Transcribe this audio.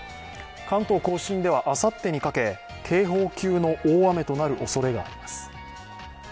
関東甲信ではあさってにかけ、警報級の大雨となるおそれがあります。